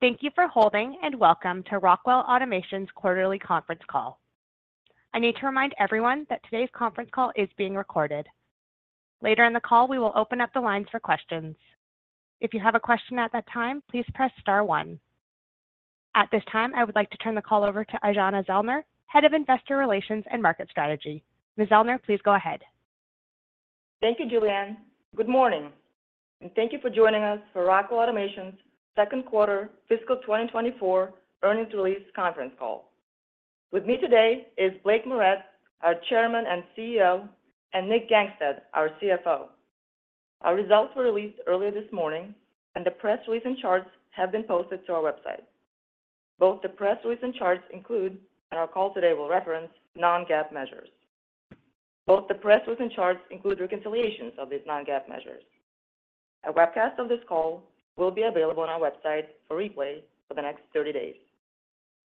Thank you for holding and welcome to Rockwell Automation's quarterly conference call. I need to remind everyone that today's conference call is being recorded. Later in the call, we will open up the lines for questions. If you have a question at that time, please press star 1. At this time, I would like to turn the call over to Aijana Zellner, Head of Investor Relations and Market Strategy. Ms. Zellner, please go ahead. Thank you, Julianne. Good morning. Thank you for joining us for Rockwell Automation's second quarter fiscal 2024 earnings release conference call. With me today is Blake Moret, our Chairman and CEO, and Nick Gangestad, our CFO. Our results were released earlier this morning, and the press release and charts have been posted to our website. Both the press release and charts include, and our call today will reference, non-GAAP measures. Both the press release and charts include reconciliations of these non-GAAP measures. A webcast of this call will be available on our website for replay for the next 30 days.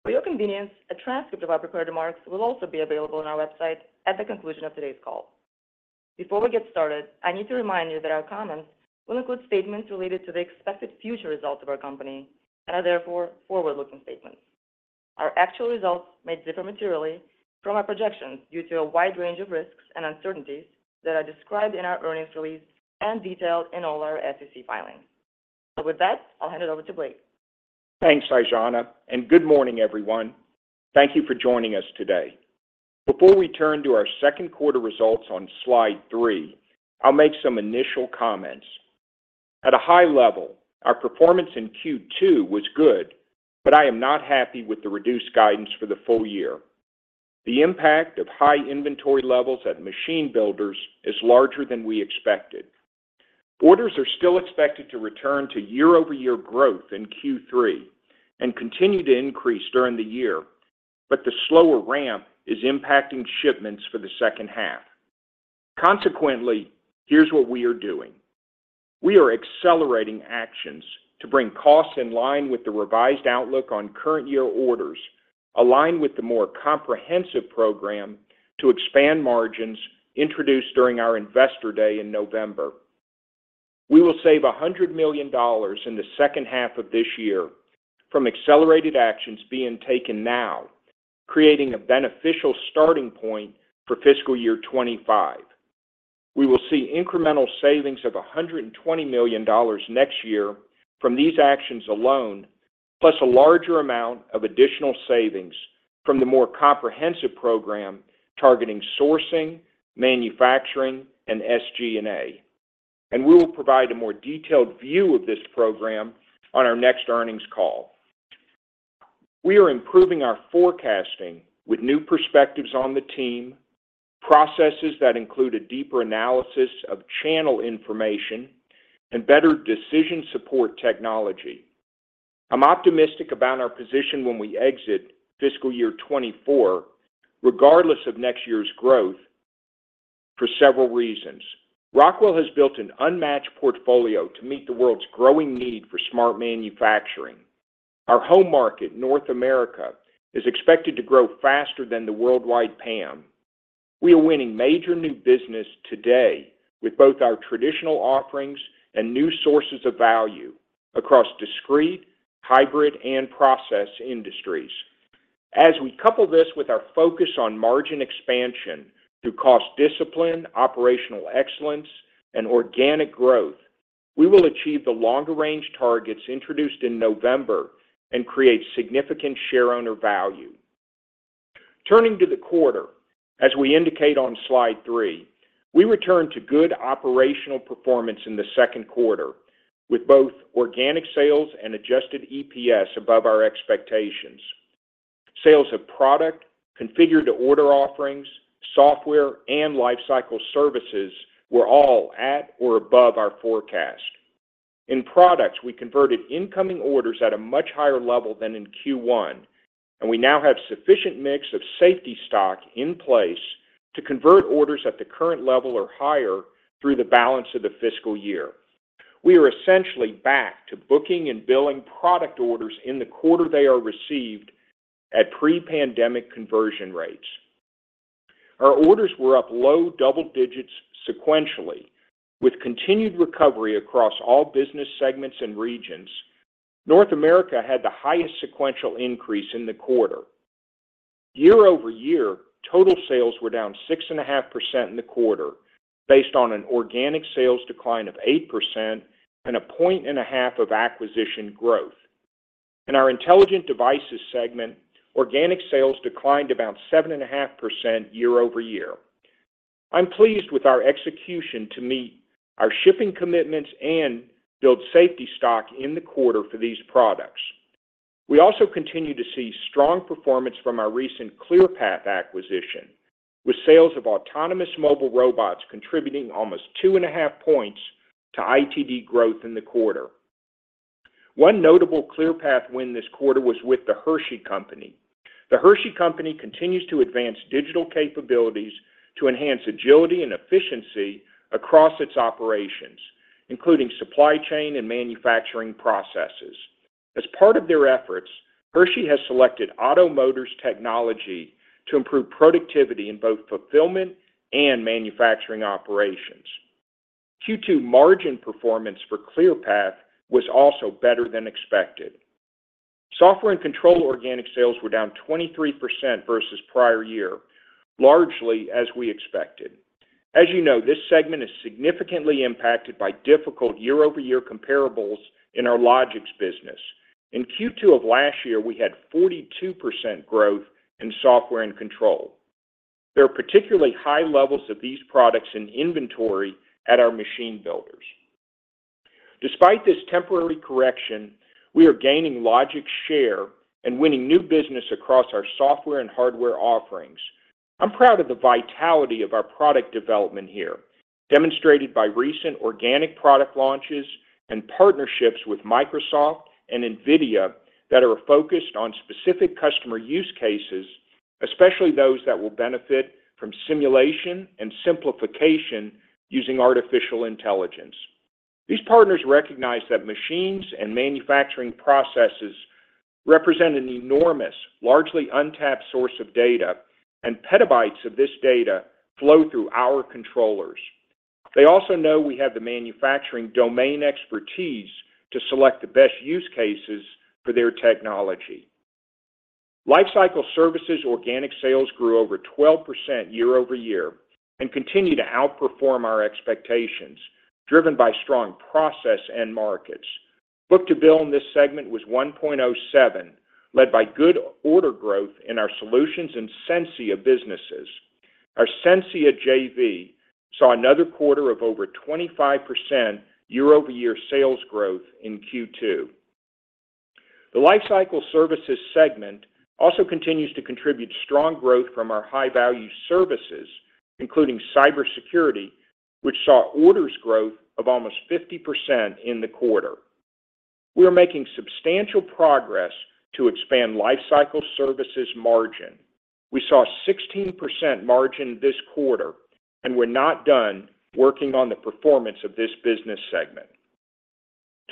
For your convenience, a transcript of our prepared remarks will also be available on our website at the conclusion of today's call. Before we get started, I need to remind you that our comments will include statements related to the expected future results of our company and are, therefore, forward-looking statements. Our actual results may differ materially from our projections due to a wide range of risks and uncertainties that are described in our earnings release and detailed in all our SEC filings. With that, I'll hand it over to Blake. Thanks, Aijana, and good morning, everyone. Thank you for joining us today. Before we turn to our second quarter results on slide 3, I'll make some initial comments. At a high level, our performance in Q2 was good, but I am not happy with the reduced guidance for the full year. The impact of high inventory levels at machine builders is larger than we expected. Orders are still expected to return to year-over-year growth in Q3 and continue to increase during the year, but the slower ramp is impacting shipments for the second half. Consequently, here's what we are doing. We are accelerating actions to bring costs in line with the revised outlook on current-year orders, aligned with the more comprehensive program to expand margins introduced during our Investor Day in November. We will save $100 million in the second half of this year from accelerated actions being taken now, creating a beneficial starting point for fiscal year 2025. We will see incremental savings of $120 million next year from these actions alone, plus a larger amount of additional savings from the more comprehensive program targeting sourcing, manufacturing, and SG&A. We will provide a more detailed view of this program on our next earnings call. We are improving our forecasting with new perspectives on the team, processes that include a deeper analysis of channel information, and better decision support technology. I'm optimistic about our position when we exit fiscal year 2024, regardless of next year's growth, for several reasons. Rockwell has built an unmatched portfolio to meet the world's growing need for smart manufacturing. Our home market, North America, is expected to grow faster than the worldwide PAM. We are winning major new business today with both our traditional offerings and new sources of value across Discrete, Hybrid, and Process industries. As we couple this with our focus on margin expansion through cost discipline, operational excellence, and organic growth, we will achieve the longer-range targets introduced in November and create significant shareholder value. Turning to the quarter, as we indicate on slide 3, we return to good operational performance in the second quarter, with both Organic sales and Adjusted EPS above our expectations. Sales of Products, configured-to-order offerings, Software, and Lifecycle Services were all at or above our forecast. In Products, we converted incoming orders at a much higher level than in Q1, and we now have a sufficient mix of safety stock in place to convert orders at the current level or higher through the balance of the fiscal year. We are essentially back to booking and billing product orders in the quarter they are received at pre-pandemic conversion rates. Our orders were up low double digits sequentially, with continued recovery across all business segments and regions. North America had the highest sequential increase in the quarter. Year-over-year, total sales were down 6.5% in the quarter based on an organic sales decline of 8% and a 0.5% of acquisition growth. In our Intelligent Devices segment, organic sales declined about 7.5% year-over-year. I'm pleased with our execution to meet our shipping commitments and build safety stock in the quarter for these products. We also continue to see strong performance from our recent Clearpath acquisition, with sales of autonomous mobile robots contributing almost 2.5 points to ITD growth in the quarter. One notable Clearpath win this quarter was with The Hershey Company. The Hershey Company continues to advance digital capabilities to enhance agility and efficiency across its operations, including supply chain and manufacturing processes. As part of their efforts, Hershey has selected automation technology to improve productivity in both fulfillment and manufacturing operations. Q2 margin performance for Clearpath was also better than expected. Software and Control organic sales were down 23% versus prior year, largely as we expected. As you know, this segment is significantly impacted by difficult year-over-year comparables in our Logix business. In Q2 of last year, we had 42% growth in software and control. There are particularly high levels of these products in inventory at our machine builders. Despite this temporary correction, we are gaining Logix share and winning new business across our software and hardware offerings. I'm proud of the vitality of our product development here, demonstrated by recent organic product launches and partnerships with Microsoft and NVIDIA that are focused on specific customer use cases, especially those that will benefit from simulation and simplification using artificial intelligence. These partners recognize that machines and manufacturing processes represent an enormous, largely untapped source of data, and petabytes of this data flow through our controllers. They also know we have the manufacturing domain expertise to select the best use cases for their technology. Lifecycle Services organic sales grew over 12% year-over-year and continue to outperform our expectations, driven by strong process and markets. Book-to-bill in this segment was 1.07, led by good order growth in our solutions and Sensia businesses. Our Sensia JV saw another quarter of over 25% year-over-year sales growth in Q2. The Lifecycle Services segment also continues to contribute strong growth from our high-value services, including cybersecurity, which saw orders growth of almost 50% in the quarter. We are making substantial progress to expand Lifecycle Services margin. We saw a 16% margin this quarter and were not done working on the performance of this business segment.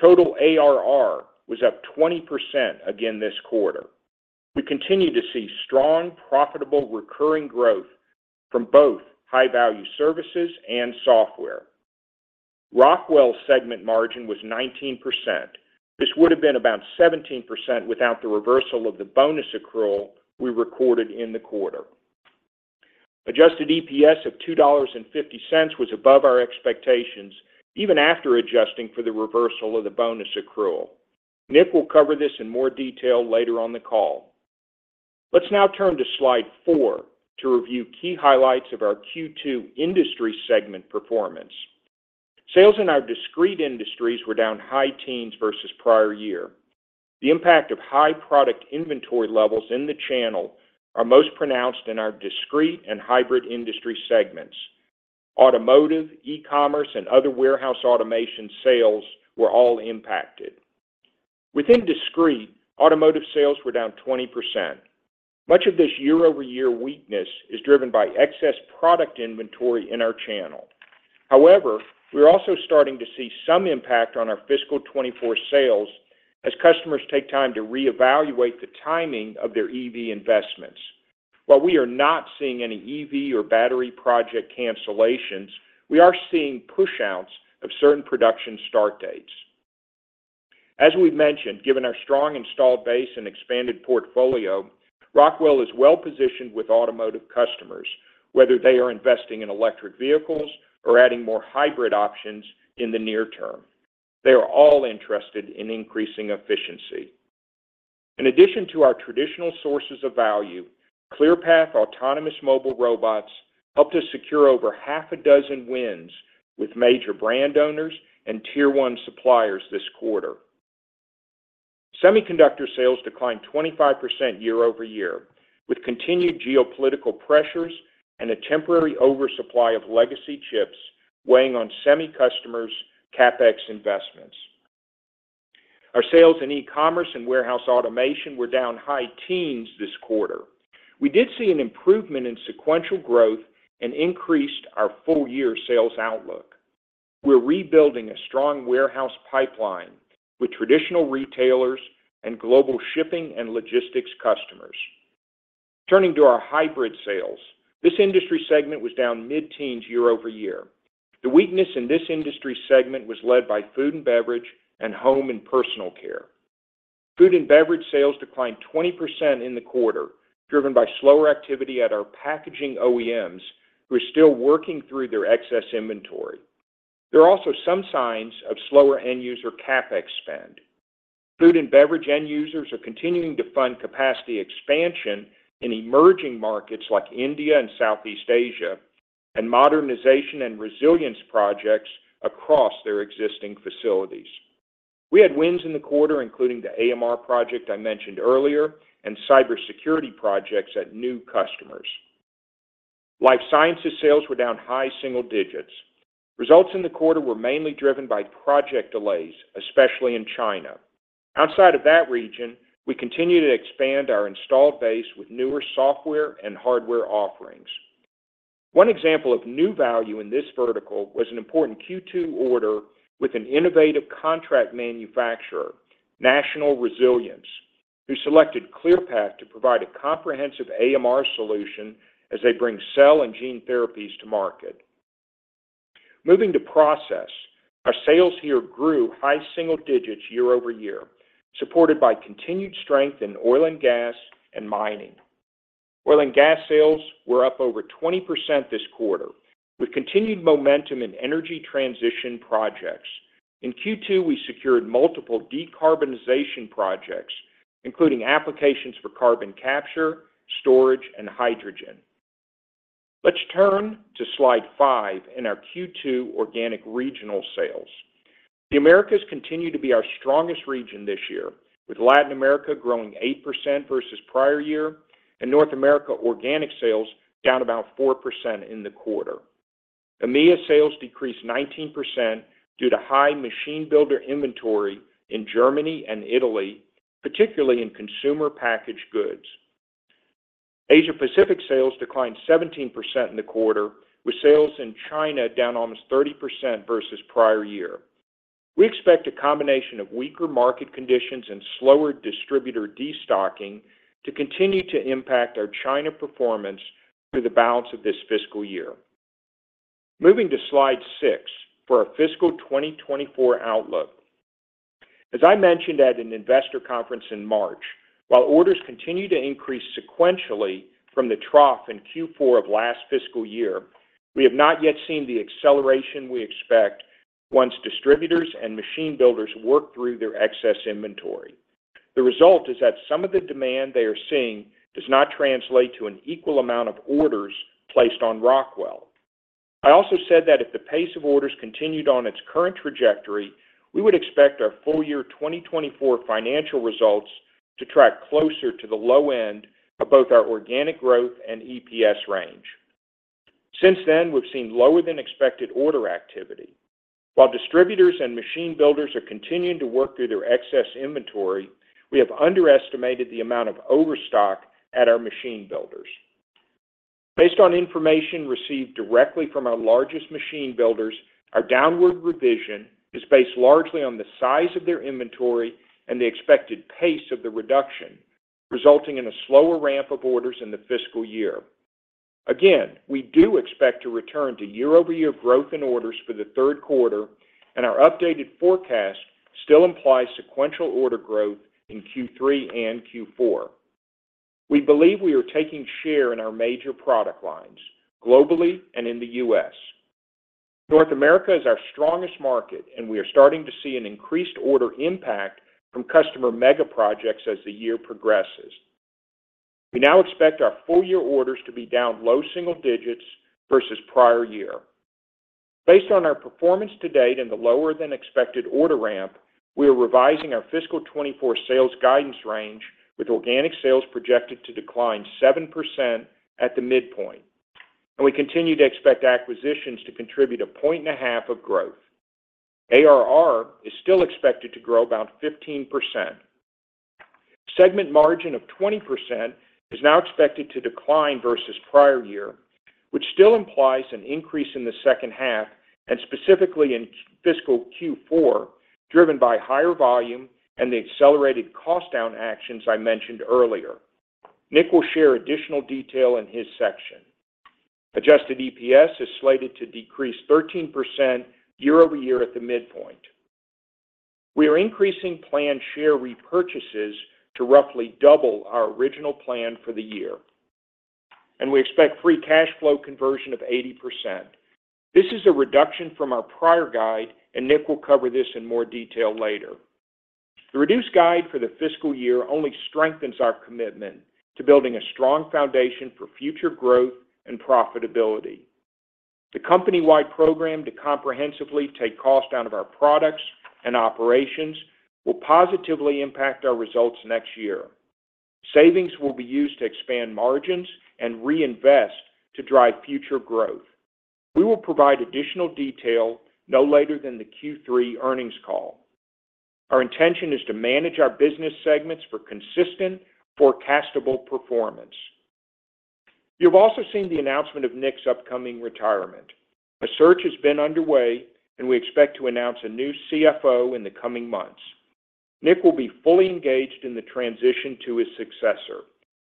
Total ARR was up 20% again this quarter. We continue to see strong, profitable, recurring growth from both high-value services and software. Rockwell's segment margin was 19%. This would have been about 17% without the reversal of the bonus accrual we recorded in the quarter. Adjusted EPS of $2.50 was above our expectations, even after adjusting for the reversal of the bonus accrual. Nick will cover this in more detail later on the call. Let's now turn to slide 4 to review key highlights of our Q2 industry segment performance. Sales in our Discrete industries were down high teens versus prior year. The impact of high product inventory levels in the channel is most pronounced in our Discrete and Hybrid industry segments. Automotive, e-commerce, and other warehouse automation sales were all impacted. Within Discrete, automotive sales were down 20%. Much of this year-over-year weakness is driven by excess product inventory in our channel. However, we are also starting to see some impact on our fiscal 2024 sales as customers take time to reevaluate the timing of their EV investments. While we are not seeing any EV or battery project cancellations, we are seeing push-outs of certain production start dates. As we've mentioned, given our strong installed base and expanded portfolio, Rockwell is well-positioned with automotive customers, whether they are investing in electric vehicles or adding more hybrid options in the near term. They are all interested in increasing efficiency. In addition to our traditional sources of value, Clearpath autonomous mobile robots helped us secure over half a dozen wins with major brand owners and tier-one suppliers this quarter. Semiconductor sales declined 25% year-over-year with continued geopolitical pressures and a temporary oversupply of legacy chips weighing on semi-customers' CapEx investments. Our sales in e-commerce and warehouse automation were down high teens this quarter. We did see an improvement in sequential growth and increased our full-year sales outlook. We're rebuilding a strong warehouse pipeline with traditional retailers and global shipping and logistics customers. Turning to our hybrid sales, this industry segment was down mid-teens year-over-year. The weakness in this industry segment was led by food and beverage and home and personal care. Food and beverage sales declined 20% in the quarter, driven by slower activity at our packaging OEMs who are still working through their excess inventory. There are also some signs of slower end-user CapEx spend. Food and beverage end-users are continuing to fund capacity expansion in emerging markets like India and Southeast Asia and modernization and resilience projects across their existing facilities. We had wins in the quarter, including the AMR project I mentioned earlier and cybersecurity projects at new customers. Life sciences sales were down high single digits. Results in the quarter were mainly driven by project delays, especially in China. Outside of that region, we continue to expand our installed base with newer software and hardware offerings. One example of new value in this vertical was an important Q2 order with an innovative contract manufacturer, National Resilience, who selected Clearpath to provide a comprehensive AMR solution as they bring cell and gene therapies to market. Moving to process, our sales here grew high single digits year-over-year, supported by continued strength in oil and gas and mining. Oil and gas sales were up over 20% this quarter with continued momentum in energy transition projects. In Q2, we secured multiple decarbonization projects, including applications for carbon capture, storage, and hydrogen. Let's turn to slide 5 in our Q2 organic regional sales. The Americas continue to be our strongest region this year, with Latin America growing 8% versus prior year and North America organic sales down about 4% in the quarter. EMEA sales decreased 19% due to high machine builder inventory in Germany and Italy, particularly in consumer packaged goods. Asia-Pacific sales declined 17% in the quarter, with sales in China down almost 30% versus prior year. We expect a combination of weaker market conditions and slower distributor destocking to continue to impact our China performance through the balance of this fiscal year. Moving to slide 6 for our fiscal 2024 outlook. As I mentioned at an investor conference in March, while orders continue to increase sequentially from the trough in Q4 of last fiscal year, we have not yet seen the acceleration we expect once distributors and machine builders work through their excess inventory. The result is that some of the demand they are seeing does not translate to an equal amount of orders placed on Rockwell. I also said that if the pace of orders continued on its current trajectory, we would expect our full-year 2024 financial results to track closer to the low end of both our organic growth and EPS range. Since then, we've seen lower-than-expected order activity. While distributors and machine builders are continuing to work through their excess inventory, we have underestimated the amount of overstock at our machine builders. Based on information received directly from our largest machine builders, our downward revision is based largely on the size of their inventory and the expected pace of the reduction, resulting in a slower ramp of orders in the fiscal year. Again, we do expect to return to year-over-year growth in orders for the third quarter, and our updated forecast still implies sequential order growth in Q3 and Q4. We believe we are taking share in our major product lines globally and in the U.S. North America is our strongest market, and we are starting to see an increased order impact from customer mega projects as the year progresses. We now expect our full-year orders to be down low single digits versus prior year. Based on our performance to date and the lower-than-expected order ramp, we are revising our fiscal 2024 sales guidance range, with organic sales projected to decline 7% at the midpoint, and we continue to expect acquisitions to contribute a 0.5% of growth. ARR is still expected to grow about 15%. Segment margin of 20% is now expected to decline versus prior year, which still implies an increase in the second half, and specifically in fiscal Q4, driven by higher volume and the accelerated cost-down actions I mentioned earlier. Nick will share additional detail in his section. Adjusted EPS is slated to decrease 13% year-over-year at the midpoint. We are increasing planned share repurchases to roughly double our original plan for the year, and we expect free cash flow conversion of 80%. This is a reduction from our prior guide, and Nick will cover this in more detail later. The reduced guide for the fiscal year only strengthens our commitment to building a strong foundation for future growth and profitability. The company-wide program to comprehensively take cost down of our products and operations will positively impact our results next year. Savings will be used to expand margins and reinvest to drive future growth. We will provide additional detail no later than the Q3 earnings call. Our intention is to manage our business segments for consistent, forecastable performance. You've also seen the announcement of Nick's upcoming retirement. A search has been underway, and we expect to announce a new CFO in the coming months. Nick will be fully engaged in the transition to his successor,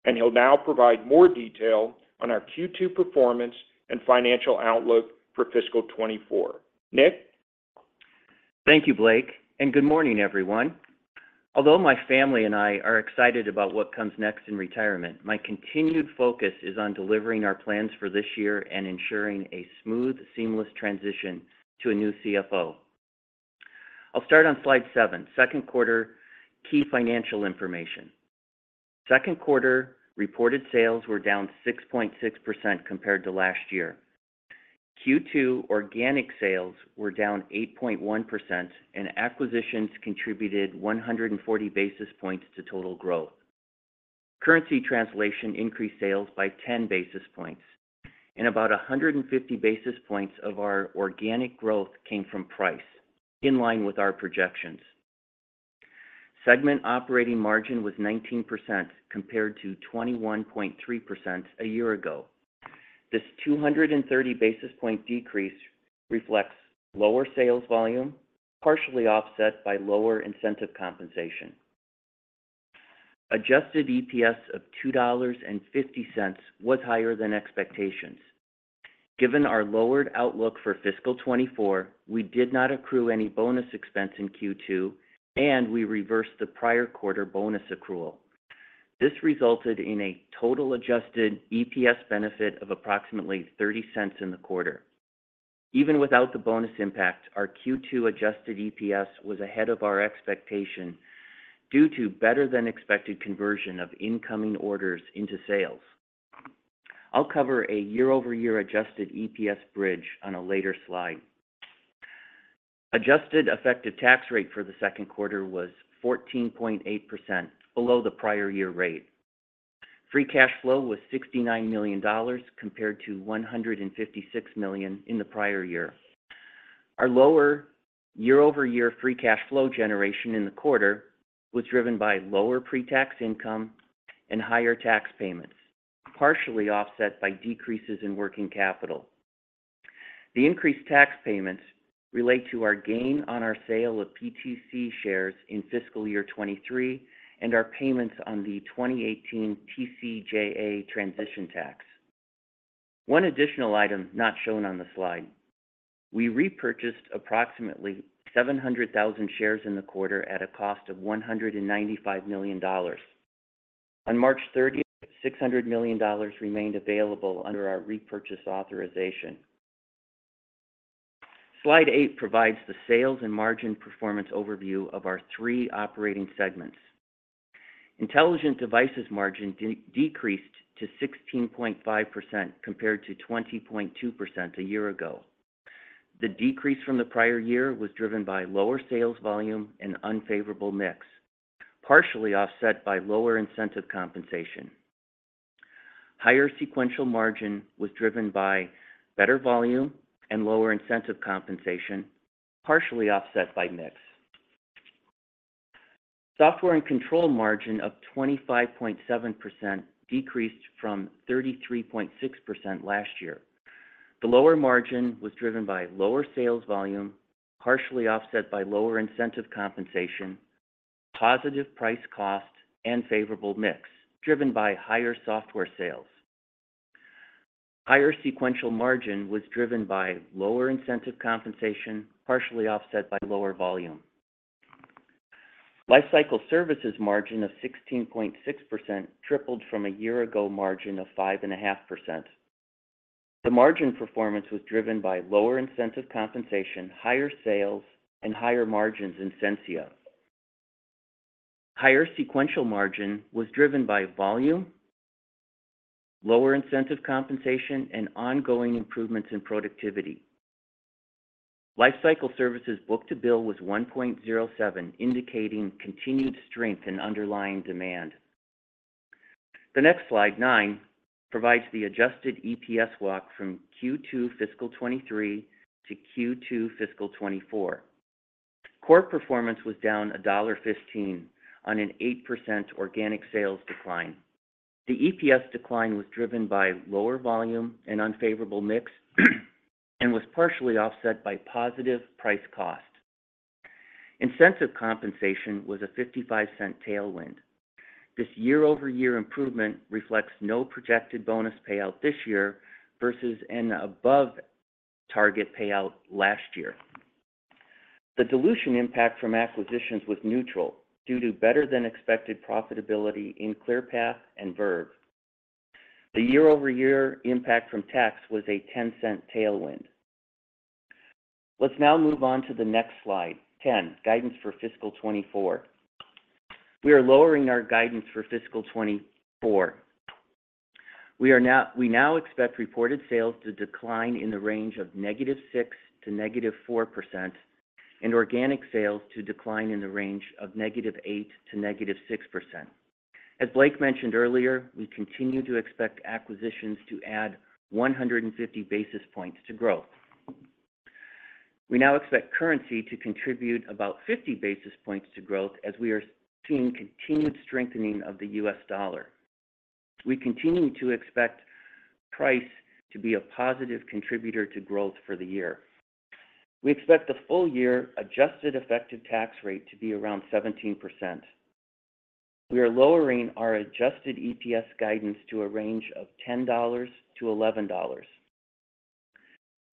and he'll now provide more detail on our Q2 performance and financial outlook for fiscal 2024. Nick? Thank you, Blake, and good morning, everyone. Although my family and I are excited about what comes next in retirement, my continued focus is on delivering our plans for this year and ensuring a smooth, seamless transition to a new CFO. I'll start on slide 7, second quarter key financial information. Second quarter, reported sales were down 6.6% compared to last year. Q2 organic sales were down 8.1%, and acquisitions contributed 140 basis points to total growth. Currency translation increased sales by 10 basis points, and about 150 basis points of our organic growth came from price, in line with our projections. Segment operating margin was 19% compared to 21.3% a year ago. This 230 basis point decrease reflects lower sales volume, partially offset by lower incentive compensation. Adjusted EPS of $2.50 was higher than expectations. Given our lowered outlook for fiscal 2024, we did not accrue any bonus expense in Q2, and we reversed the prior quarter bonus accrual. This resulted in a total Adjusted EPS benefit of approximately $0.30 in the quarter. Even without the bonus impact, our Q2 Adjusted EPS was ahead of our expectation due to better-than-expected conversion of incoming orders into sales. I'll cover a year-over-year Adjusted EPS bridge on a later slide. Adjusted effective tax rate for the second quarter was 14.8%, below the prior year rate. Free cash flow was $69 million compared to $156 million in the prior year. Our lower year-over-year free cash flow generation in the quarter was driven by lower pre-tax income and higher tax payments, partially offset by decreases in working capital. The increased tax payments relate to our gain on our sale of PTC shares in fiscal year 2023 and our payments on the 2018 TCJA transition tax. One additional item not shown on the slide: we repurchased approximately 700,000 shares in the quarter at a cost of $195 million. On March 30th, $600 million remained available under our repurchase authorization. Slide 8 provides the sales and margin performance overview of our three operating segments. Intelligent Devices margin decreased to 16.5% compared to 20.2% a year ago. The decrease from the prior year was driven by lower sales volume and unfavorable mix, partially offset by lower incentive compensation. Higher sequential margin was driven by better volume and lower incentive compensation, partially offset by mix. Software and Control margin of 25.7% decreased from 33.6% last year. The lower margin was driven by lower sales volume, partially offset by lower incentive compensation, positive price-cost, and favorable mix, driven by higher software sales. Higher sequential margin was driven by lower incentive compensation, partially offset by lower volume. Lifecycle Services margin of 16.6% tripled from a year ago margin of 5.5%. The margin performance was driven by lower incentive compensation, higher sales, and higher margins in Sensia. Higher sequential margin was driven by volume, lower incentive compensation, and ongoing improvements in productivity. Lifecycle Services book-to-bill was 1.07, indicating continued strength in underlying demand. The next slide, 9, provides the Adjusted EPS walk from Q2 fiscal 2023 to Q2 fiscal 2024. Core performance was down $1.15 on an 8% organic sales decline. The EPS decline was driven by lower volume and unfavorable mix and was partially offset by positive price-cost. Incentive compensation was a $0.55 tailwind. This year-over-year improvement reflects no projected bonus payout this year versus an above-target payout last year. The dilution impact from acquisitions was neutral due to better-than-expected profitability in Clearpath and Verve. The year-over-year impact from tax was a $0.10 tailwind. Let's now move on to the next slide, 10, guidance for fiscal 2024. We are lowering our guidance for fiscal 2024. We now expect reported sales to decline in the range of -6% to -4% and organic sales to decline in the range of -8% to -6%. As Blake mentioned earlier, we continue to expect acquisitions to add 150 basis points to growth. We now expect currency to contribute about 50 basis points to growth as we are seeing continued strengthening of the US dollar. We continue to expect price to be a positive contributor to growth for the year. We expect the full-year adjusted effective tax rate to be around 17%. We are lowering our adjusted EPS guidance to a range of $10-$11.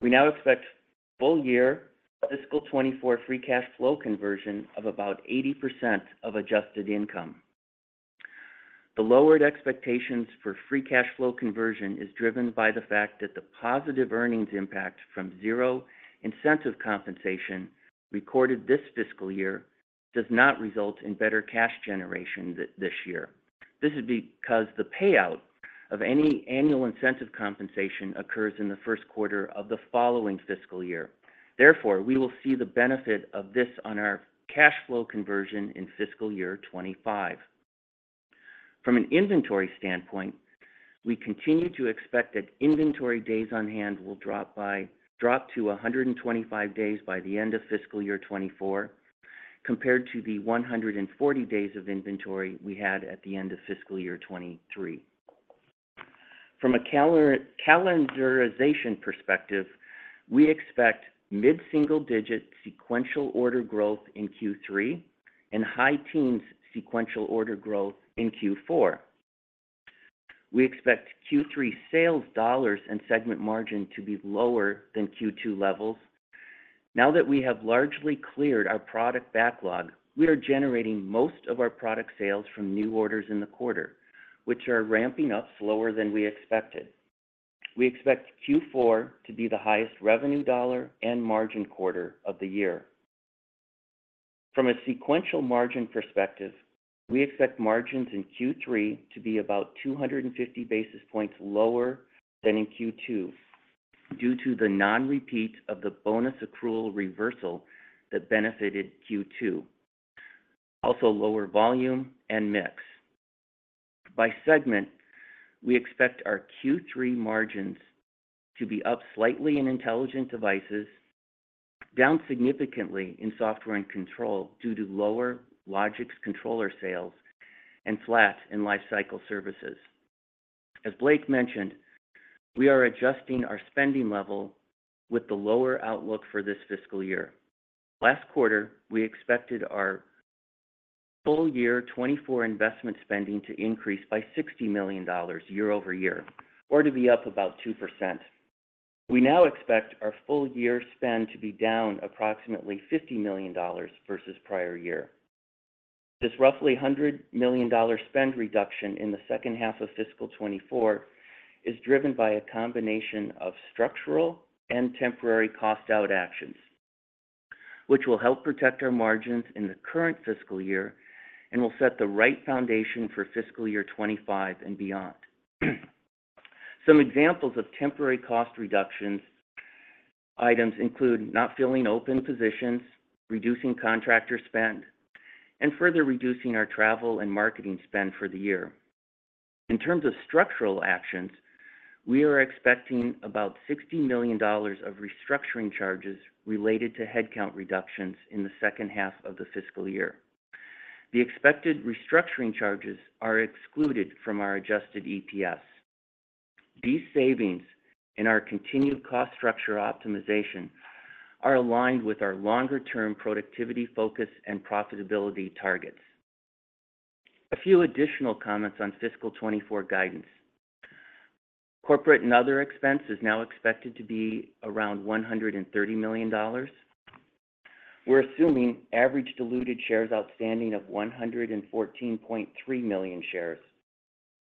We now expect full-year fiscal 2024 free cash flow conversion of about 80% of adjusted income. The lowered expectations for free cash flow conversion are driven by the fact that the positive earnings impact from zero incentive compensation recorded this fiscal year does not result in better cash generation this year. This is because the payout of any annual incentive compensation occurs in the first quarter of the following fiscal year. Therefore, we will see the benefit of this on our cash flow conversion in fiscal year 2025. From an inventory standpoint, we continue to expect that inventory days on hand will drop to 125 days by the end of fiscal year 2024 compared to the 140 days of inventory we had at the end of fiscal year 2023. From a calendarization perspective, we expect mid-single digit sequential order growth in Q3 and high teens sequential order growth in Q4. We expect Q3 sales dollars and segment margin to be lower than Q2 levels. Now that we have largely cleared our product backlog, we are generating most of our product sales from new orders in the quarter, which are ramping up slower than we expected. We expect Q4 to be the highest revenue dollar and margin quarter of the year. From a sequential margin perspective, we expect margins in Q3 to be about 250 basis points lower than in Q2 due to the non-repeat of the bonus accrual reversal that benefited Q2, also lower volume and mix. By segment, we expect our Q3 margins to be up slightly in Intelligent Devices, down significantly in Software and Control due to lower Logix controller sales, and flat in Lifecycle Services. As Blake mentioned, we are adjusting our spending level with the lower outlook for this fiscal year. Last quarter, we expected our full-year 2024 investment spending to increase by $60 million year-over-year or to be up about 2%. We now expect our full-year spend to be down approximately $50 million versus prior year. This roughly $100 million spend reduction in the second half of fiscal 2024 is driven by a combination of structural and temporary cost-out actions, which will help protect our margins in the current fiscal year and will set the right foundation for fiscal year 2025 and beyond. Some examples of temporary cost reduction items include not filling open positions, reducing contractor spend, and further reducing our travel and marketing spend for the year. In terms of structural actions, we are expecting about $60 million of restructuring charges related to headcount reductions in the second half of the fiscal year. The expected restructuring charges are excluded from our Adjusted EPS. These savings and our continued cost structure optimization are aligned with our longer-term productivity focus and profitability targets. A few additional comments on fiscal 2024 guidance: corporate and other expense is now expected to be around $130 million. We're assuming average diluted shares outstanding of 114.3 million shares.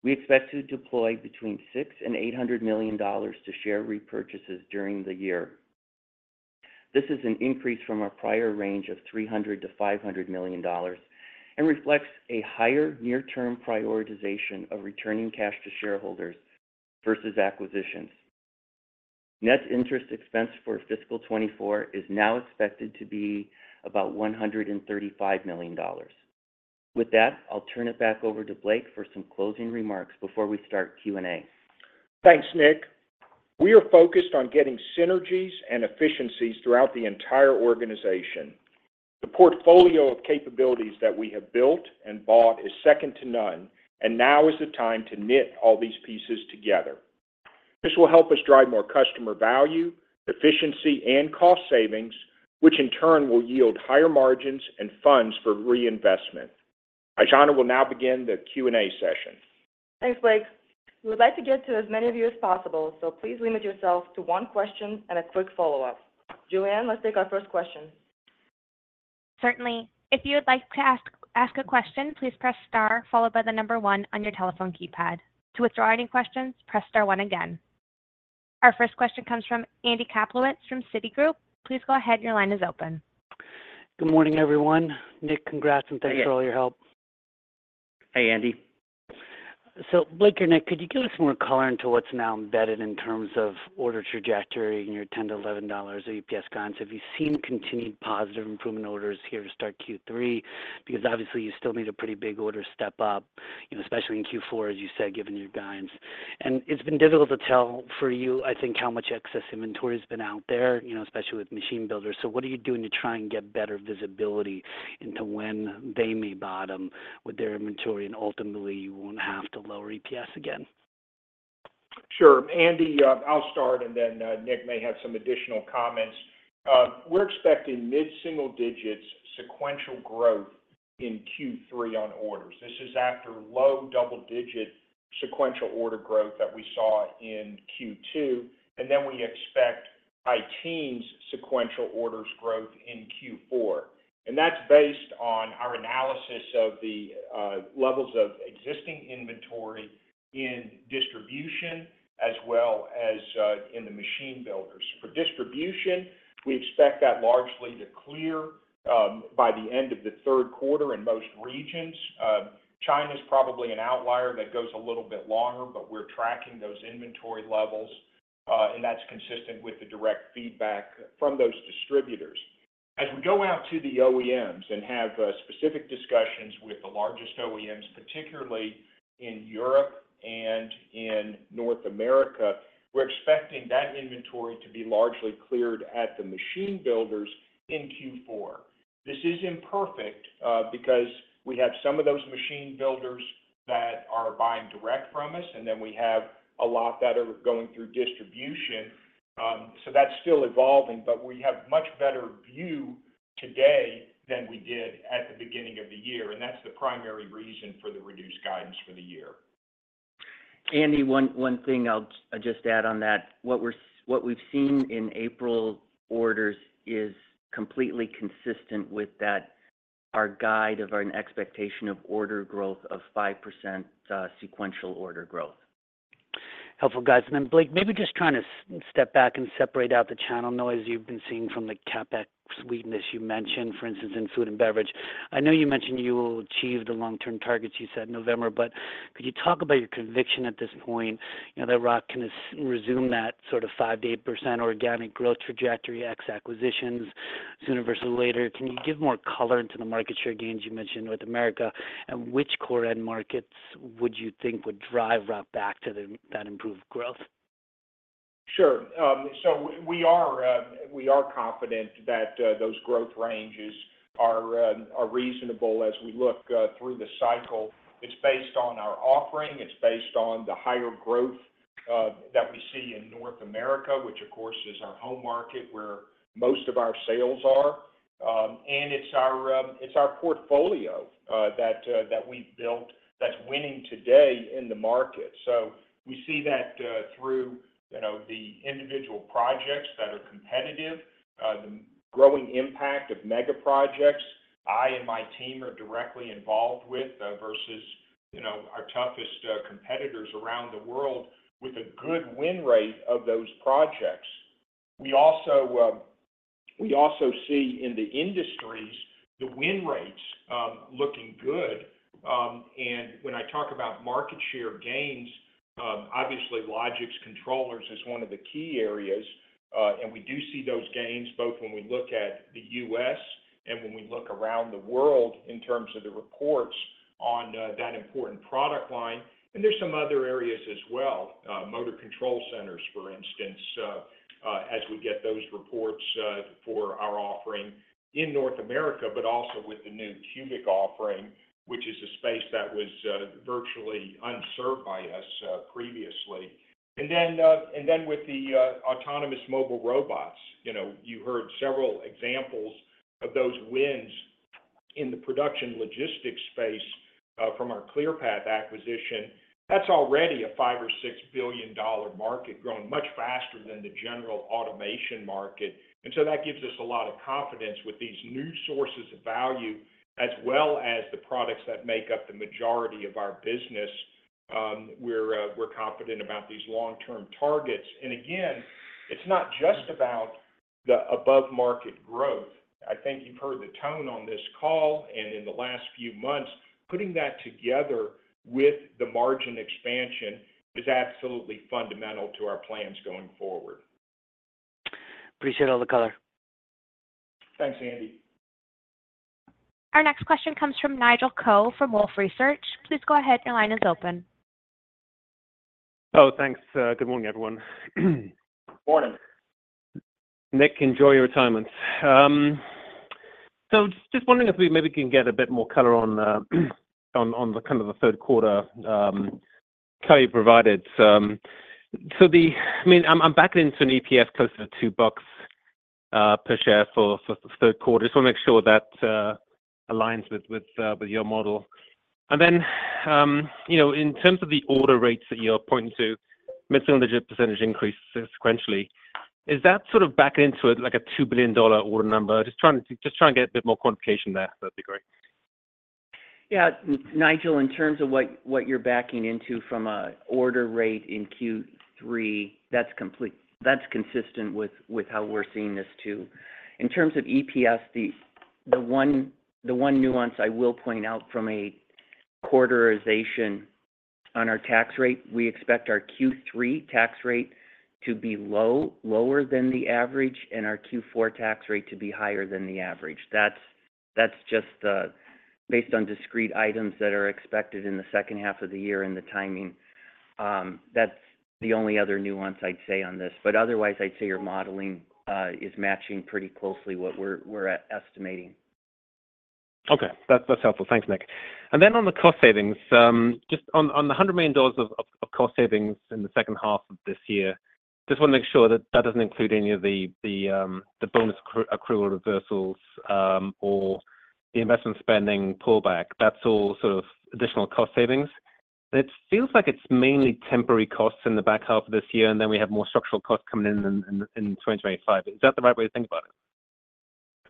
We expect to deploy between $600 million and $800 million to share repurchases during the year. This is an increase from our prior range of $300-$500 million and reflects a higher near-term prioritization of returning cash to shareholders versus acquisitions. Net interest expense for fiscal 2024 is now expected to be about $135 million. With that, I'll turn it back over to Blake for some closing remarks before we start Q&A. Thanks, Nick. We are focused on getting synergies and efficiencies throughout the entire organization. The portfolio of capabilities that we have built and bought is second to none, and now is the time to knit all these pieces together. This will help us drive more customer value, efficiency, and cost savings, which in turn will yield higher margins and funds for reinvestment. Aijana will now begin the Q&A session. Thanks, Blake. We would like to get to as many of you as possible, so please limit yourself to one question and a quick follow-up. Julianne, let's take our first question. Certainly. If you would like to ask a question, please press star followed by 1 on your telephone keypad. To withdraw any questions, press star 1 again. Our first question comes from Andy Kaplowitz from Citigroup. Please go ahead. Your line is open. Good morning, everyone. Nick, congrats, and thanks for all your help. Hey, Andy. So, Blake or Nick, could you give us more color into what's now embedded in terms of order trajectory and your $10-$11 EPS guidance? Have you seen continued positive improvement orders here to start Q3? Because obviously, you still need a pretty big order step up, especially in Q4, as you said, given your guidance. And it's been difficult to tell for you, I think, how much excess inventory has been out there, especially with machine builders. So what are you doing to try and get better visibility into when they may bottom with their inventory and ultimately you won't have to lower EPS again? Sure. Andy, I'll start, and then Nick may have some additional comments. We're expecting mid-single digits sequential growth in Q3 on orders. This is after low double-digit sequential order growth that we saw in Q2, and then we expect high teens sequential orders growth in Q4. And that's based on our analysis of the levels of existing inventory in distribution as well as in the machine builders. For distribution, we expect that largely to clear by the end of the third quarter in most regions. China's probably an outlier that goes a little bit longer, but we're tracking those inventory levels, and that's consistent with the direct feedback from those distributors. As we go out to the OEMs and have specific discussions with the largest OEMs, particularly in Europe and in North America, we're expecting that inventory to be largely cleared at the machine builders in Q4. This is imperfect because we have some of those machine builders that are buying direct from us, and then we have a lot that are going through distribution. So that's still evolving, but we have a much better view today than we did at the beginning of the year, and that's the primary reason for the reduced guidance for the year. Andy, one thing I'll just add on that. What we've seen in April orders is completely consistent with our guide of an expectation of order growth of 5% sequential order growth. Helpful guidance. Then, Blake, maybe just trying to step back and separate out the channel noise you've been seeing from the CapEx sweetness you mentioned, for instance, in food and beverage. I know you mentioned you will achieve the long-term targets, you said, November, but could you talk about your conviction at this point that Rockwell can resume that sort of 5%-8% organic growth trajectory, ex acquisitions sooner versus later? Can you give more color into the market share gains you mentioned in North America? And which core end markets would you think would drive Rockwell back to that improved growth? Sure. So we are confident that those growth ranges are reasonable as we look through the cycle. It's based on our offering. It's based on the higher growth that we see in North America, which, of course, is our home market where most of our sales are. And it's our portfolio that we've built that's winning today in the market. So we see that through the individual projects that are competitive, the growing impact of mega projects I and my team are directly involved with versus our toughest competitors around the world with a good win rate of those projects. We also see in the industries the win rates looking good. When I talk about market share gains, obviously, Logix controllers is one of the key areas, and we do see those gains both when we look at the U.S. and when we look around the world in terms of the reports on that important product line. There's some other areas as well, motor control centers, for instance, as we get those reports for our offering in North America, but also with the new Cubic offering, which is a space that was virtually unserved by us previously. Then with the autonomous mobile robots, you heard several examples of those wins in the production logistics space from our Clearpath acquisition. That's already a $5 billion or $6 billion market growing much faster than the general automation market. And so that gives us a lot of confidence with these new sources of value as well as the products that make up the majority of our business. We're confident about these long-term targets. And again, it's not just about the above-market growth. I think you've heard the tone on this call, and in the last few months, putting that together with the margin expansion is absolutely fundamental to our plans going forward. Appreciate all the color. Thanks, Andy. Our next question comes from Nigel Coe from Wolfe Research. Please go ahead. Your line is open. Oh, thanks. Good morning, everyone. Morning. Nick, enjoy your retirements. So just wondering if we maybe can get a bit more color on kind of the third quarter cut you provided. So I mean, I'm backing into an EPS closer to $2 per share for the third quarter. Just want to make sure that aligns with your model. And then in terms of the order rates that you're pointing to, mid-single-digit % increase sequentially, is that sort of backing into a $2 billion order number? Just trying to get a bit more quantification there. That'd be great. Yeah. Nigel, in terms of what you're backing into from an order rate in Q3, that's complete. That's consistent with how we're seeing this too. In terms of EPS, the one nuance I will point out from a quarterization on our tax rate, we expect our Q3 tax rate to be lower than the average and our Q4 tax rate to be higher than the average. That's just based on discrete items that are expected in the second half of the year and the timing. That's the only other nuance I'd say on this. But otherwise, I'd say your modeling is matching pretty closely what we're estimating. Okay. That's helpful. Thanks, Nick. And then on the cost savings, just on the $100 million of cost savings in the second half of this year, just want to make sure that that doesn't include any of the bonus accrual reversals or the investment spending pullback. That's all sort of additional cost savings. And it feels like it's mainly temporary costs in the back half of this year, and then we have more structural costs coming in in 2025. Is that the right way to think about it?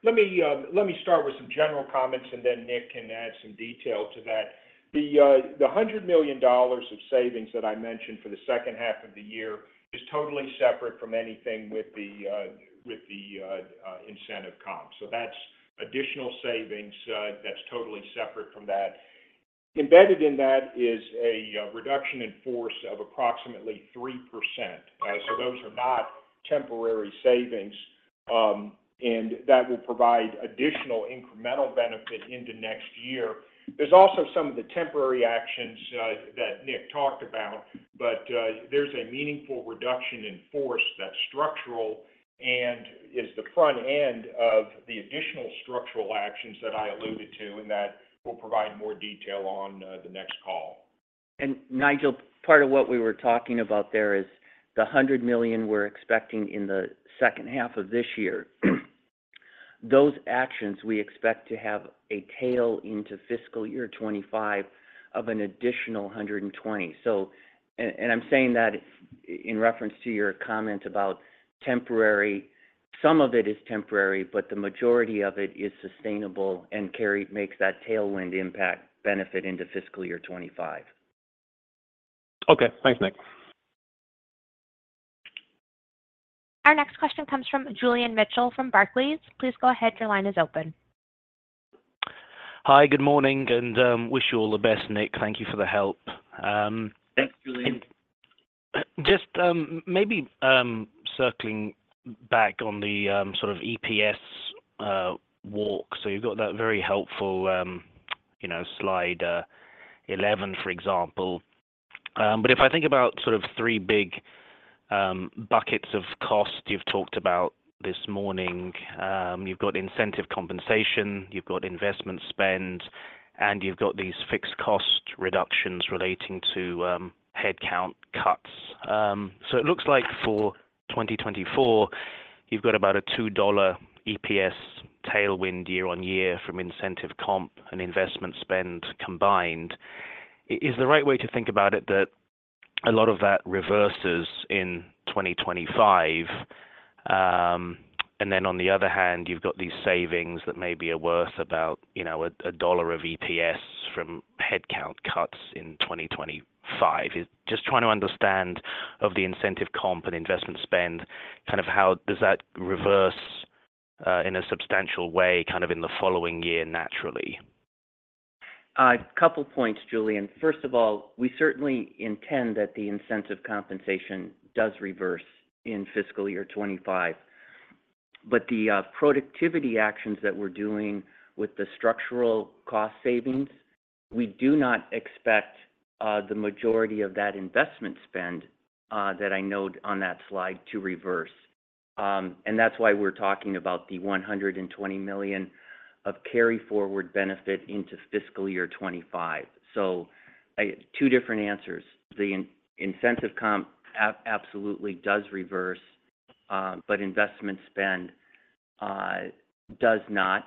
Let me start with some general comments, and then Nick can add some detail to that. The $100 million of savings that I mentioned for the second half of the year is totally separate from anything with the incentive comp. So that's additional savings. That's totally separate from that. Embedded in that is a reduction in force of approximately 3%. So those are not temporary savings, and that will provide additional incremental benefit into next year. There's also some of the temporary actions that Nick talked about, but there's a meaningful reduction in force that's structural and is the front end of the additional structural actions that I alluded to and that we'll provide more detail on the next call. Nigel, part of what we were talking about there is the $100 million we're expecting in the second half of this year. Those actions, we expect to have a tail into fiscal year 2025 of an additional $120 million. And I'm saying that in reference to your comment about temporary. Some of it is temporary, but the majority of it is sustainable and makes that tailwind impact benefit into fiscal year 2025. Okay. Thanks, Nick. Our next question comes from Julian Mitchell from Barclays. Please go ahead. Your line is open. Hi. Good morning. Wish you all the best, Nick. Thank you for the help. Thanks, Julian. Just maybe circling back on the sort of EPS walk. So you've got that very helpful slide 11, for example. But if I think about sort of three big buckets of cost you've talked about this morning, you've got incentive compensation, you've got investment spend, and you've got these fixed cost reductions relating to headcount cuts. So it looks like for 2024, you've got about a $2 EPS tailwind year-over-year from incentive comp and investment spend combined. Is the right way to think about it, that a lot of that reverses in 2025? And then on the other hand, you've got these savings that maybe are worth about $1 of EPS from headcount cuts in 2025. Just trying to understand, of the incentive comp and investment spend, kind of how does that reverse in a substantial way kind of in the following year naturally? A couple of points, Julian. First of all, we certainly intend that the incentive compensation does reverse in fiscal year 2025. But the productivity actions that we're doing with the structural cost savings, we do not expect the majority of that investment spend that I noted on that slide to reverse. And that's why we're talking about the $120 million of carry-forward benefit into fiscal year 2025. So two different answers. The incentive comp absolutely does reverse, but investment spend does not.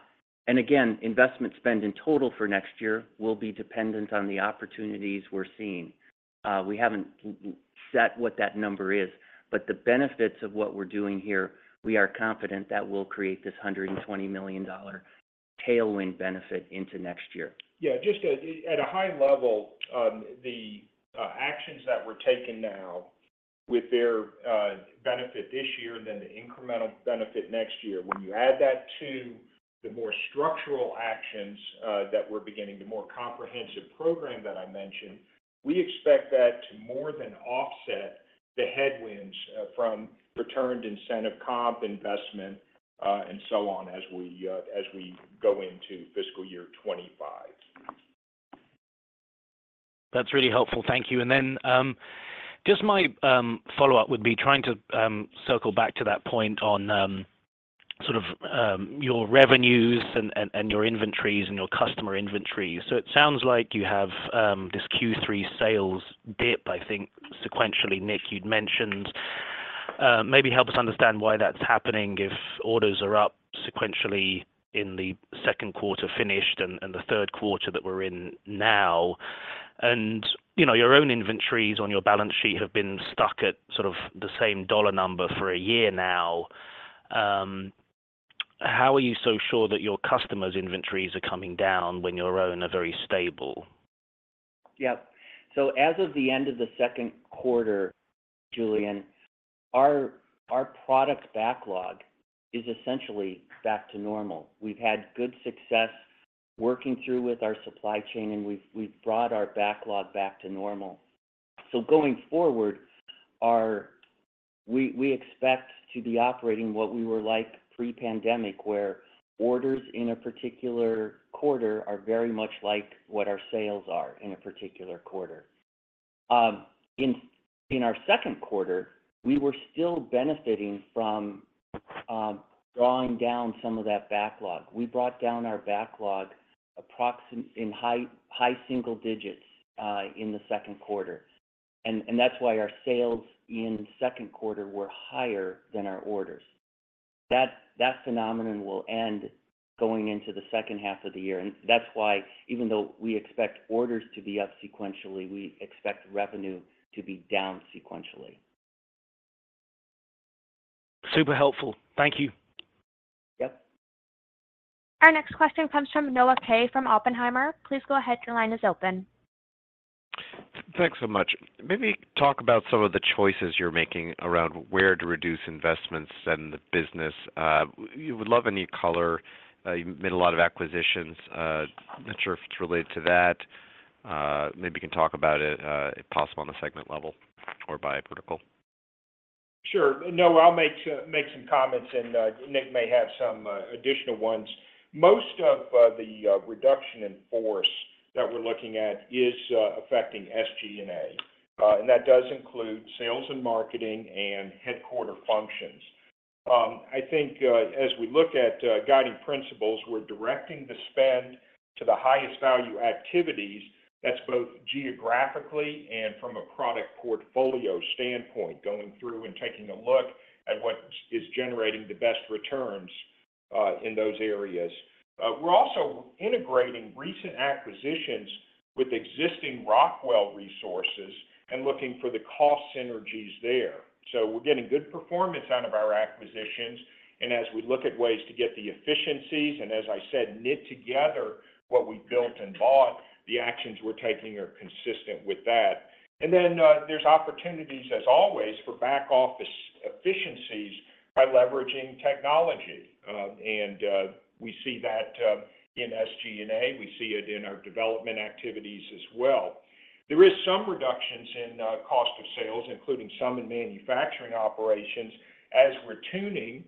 And again, investment spend in total for next year will be dependent on the opportunities we're seeing. We haven't set what that number is, but the benefits of what we're doing here, we are confident that will create this $120 million tailwind benefit into next year. Yeah. Just at a high level, the actions that were taken now with their benefit this year and then the incremental benefit next year, when you add that to the more structural actions that we're beginning, the more comprehensive program that I mentioned, we expect that to more than offset the headwinds from returned incentive comp investment and so on as we go into fiscal year 2025. That's really helpful. Thank you. And then just my follow-up would be trying to circle back to that point on sort of your revenues and your inventories and your customer inventories. So it sounds like you have this Q3 sales dip, I think, sequentially, Nick, you'd mentioned. Maybe help us understand why that's happening if orders are up sequentially in the second quarter finished and the third quarter that we're in now. And your own inventories on your balance sheet have been stuck at sort of the same dollar number for a year now. How are you so sure that your customers' inventories are coming down when your own are very stable? Yep. So as of the end of the second quarter, Julian, our product backlog is essentially back to normal. We've had good success working through with our supply chain, and we've brought our backlog back to normal. So going forward, we expect to be operating what we were like pre-pandemic, where orders in a particular quarter are very much like what our sales are in a particular quarter. In our second quarter, we were still benefiting from drawing down some of that backlog. We brought down our backlog in high single digits in the second quarter. And that's why our sales in second quarter were higher than our orders. That phenomenon will end going into the second half of the year. And that's why, even though we expect orders to be up sequentially, we expect revenue to be down sequentially. Super helpful. Thank you. Yep. Our next question comes from Noah Kaye from Oppenheimer. Please go ahead. Your line is open. Thanks so much. Maybe talk about some of the choices you're making around where to reduce investments in the business. I'd love any color. You've made a lot of acquisitions. Not sure if it's related to that. Maybe you can talk about it, if possible, on a segment level or by product. Sure. No, I'll make some comments, and Nick may have some additional ones. Most of the reduction in force that we're looking at is affecting SG&A. That does include sales and marketing and headquarters functions. I think as we look at guiding principles, we're directing the spend to the highest value activities. That's both geographically and from a product portfolio standpoint, going through and taking a look at what is generating the best returns in those areas. We're also integrating recent acquisitions with existing Rockwell resources and looking for the cost synergies there. So we're getting good performance out of our acquisitions. As we look at ways to get the efficiencies and, as I said, knit together what we built and bought, the actions we're taking are consistent with that. Then there's opportunities, as always, for back-office efficiencies by leveraging technology. We see that in SG&A. We see it in our development activities as well. There are some reductions in cost of sales, including some in manufacturing operations, as we're tuning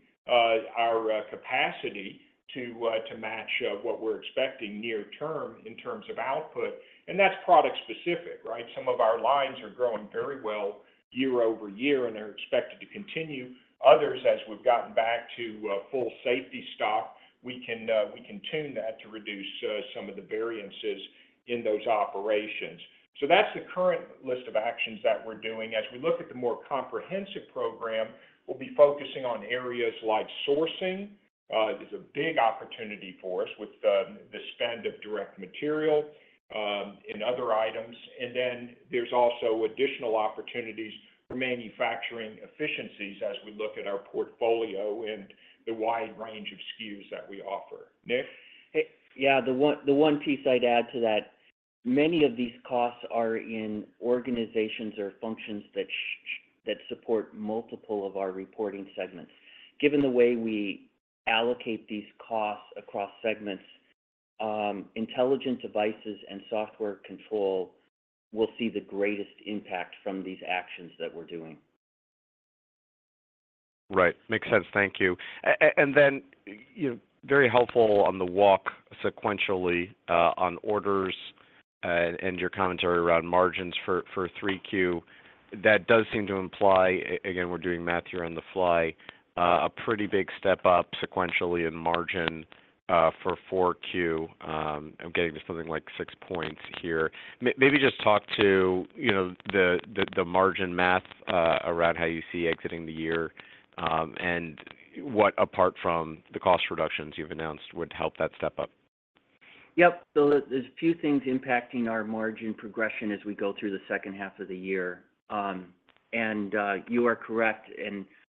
our capacity to match what we're expecting near-term in terms of output. And that's product-specific, right? Some of our lines are growing very well year over year, and they're expected to continue. Others, as we've gotten back to full safety stock, we can tune that to reduce some of the variances in those operations. So that's the current list of actions that we're doing. As we look at the more comprehensive program, we'll be focusing on areas like sourcing. It's a big opportunity for us with the spend of direct material and other items. And then there's also additional opportunities for manufacturing efficiencies as we look at our portfolio and the wide range of SKUs that we offer. Nick? Yeah. The one piece I'd add to that, many of these costs are in organizations or functions that support multiple of our reporting segments. Given the way we allocate these costs across segments, Intelligent Devices and Software and Control will see the greatest impact from these actions that we're doing. Right. Makes sense. Thank you. And then very helpful on the walk sequentially on orders and your commentary around margins for 3Q. That does seem to imply - again, we're doing math here on the fly - a pretty big step up sequentially in margin for 4Q. I'm getting to something like 6 points here. Maybe just talk to the margin math around how you see exiting the year and what, apart from the cost reductions you've announced, would help that step up. Yep. There's a few things impacting our margin progression as we go through the second half of the year. You are correct.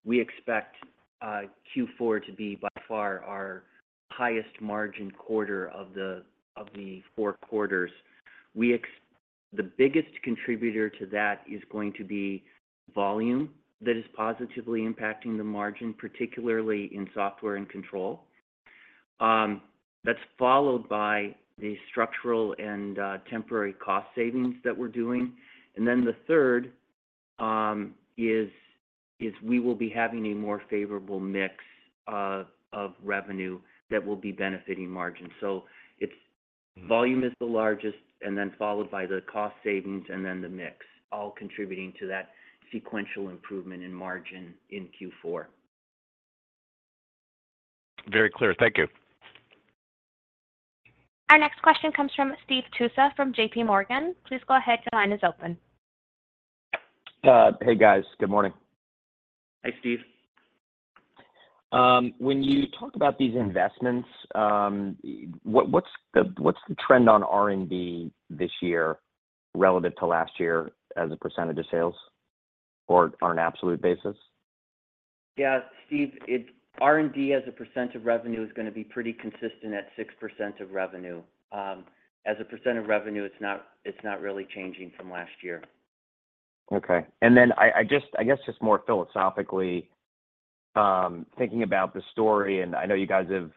We expect Q4 to be, by far, our highest margin quarter of the four quarters. The biggest contributor to that is going to be volume that is positively impacting the margin, particularly in Software and Control. That's followed by the structural and temporary cost savings that we're doing. Then the third is we will be having a more favorable mix of revenue that will be benefiting margins. Volume is the largest, and then followed by the cost savings and then the mix, all contributing to that sequential improvement in margin in Q4. Very clear. Thank you. Our next question comes from Steve Tusa from JPMorgan. Please go ahead. Your line is open. Hey, guys. Good morning. Hi, Steve. When you talk about these investments, what's the trend on R&D this year relative to last year as a percentage of sales or on an absolute basis? Yeah, Steve. R&D as a percent of revenue is going to be pretty consistent at 6% of revenue. As a percent of revenue, it's not really changing from last year. Okay. And then I guess just more philosophically, thinking about the story, and I know you guys have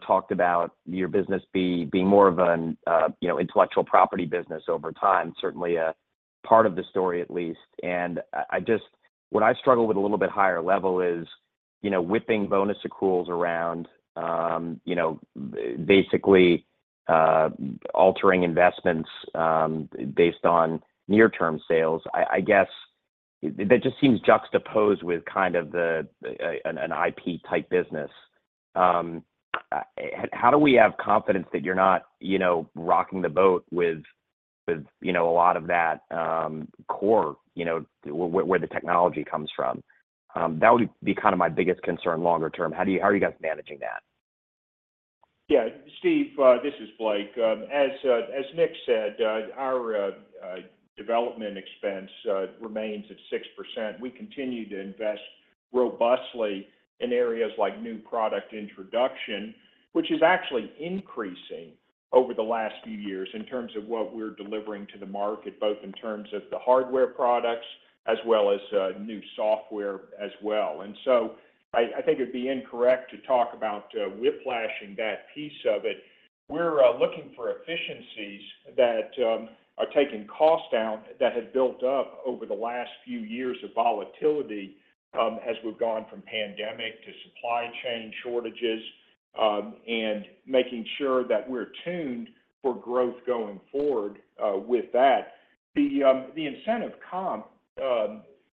talked about your business being more of an intellectual property business over time, certainly a part of the story at least, and what I struggle with a little bit higher level is whipping bonus accruals around, basically altering investments based on near-term sales. I guess that just seems juxtaposed with kind of an IP-type business. How do we have confidence that you're not rocking the boat with a lot of that core where the technology comes from? That would be kind of my biggest concern longer term. How are you guys managing that? Yeah. Steve, this is Blake. As Nick said, our development expense remains at 6%. We continue to invest robustly in areas like new product introduction, which is actually increasing over the last few years in terms of what we're delivering to the market, both in terms of the hardware products as well as new software as well. And so I think it'd be incorrect to talk about whiplashing that piece of it. We're looking for efficiencies that are taking costs down that had built up over the last few years of volatility as we've gone from pandemic to supply chain shortages and making sure that we're tuned for growth going forward with that. The incentive comp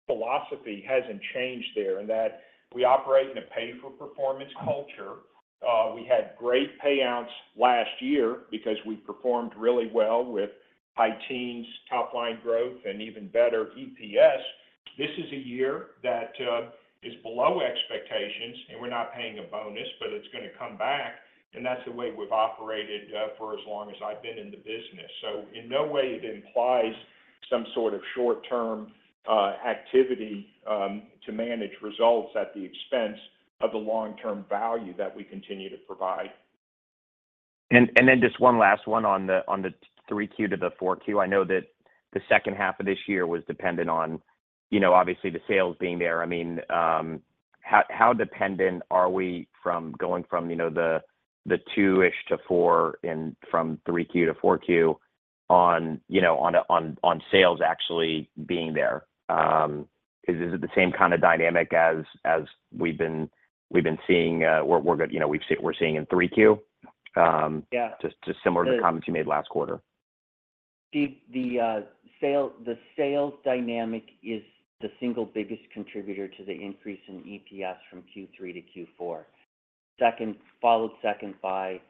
philosophy hasn't changed there, in that we operate in a pay-for-performance culture. We had great payouts last year because we performed really well with high teens, top-line growth, and even better EPS. This is a year that is below expectations, and we're not paying a bonus, but it's going to come back. That's the way we've operated for as long as I've been in the business. In no way it implies some sort of short-term activity to manage results at the expense of the long-term value that we continue to provide. And then just one last one on the 3Q to the 4Q. I know that the second half of this year was dependent on, obviously, the sales being there. I mean, how dependent are we going from the 2-ish to 4 and from 3Q to 4Q on sales actually being there? Is it the same kind of dynamic as we've been seeing in 3Q, just similar to the comments you made last quarter? Steve, the sales dynamic is the single biggest contributor to the increase in EPS from Q3 to Q4, followed second by,